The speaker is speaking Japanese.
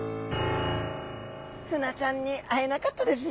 フナちゃんに会えなかったですね。